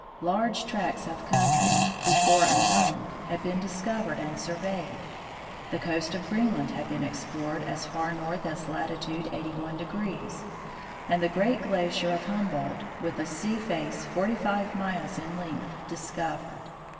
Large tracts of country, before unknown, had been dis covered and surveyed; the coast of Greenland had been explored as far north as latitude 8i°, and the great glacier of Humboldt, with a sea face forty five miles in length, discovered.